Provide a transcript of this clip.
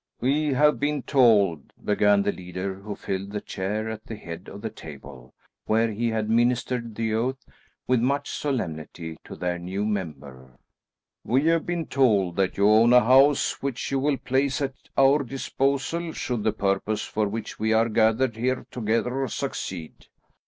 "We have been told," began the leader, who filled the chair at the head of the table, where he had administered the oath with much solemnity to their new member, "we have been told that you own a house which you will place at our disposal should the purpose for which we are gathered here together, succeed."